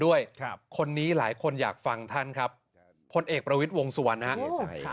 ด้วยครับคนนี้หลายคนอยากฟังท่านครับพลเอกประวิทย์วงสุวรรณนะครับ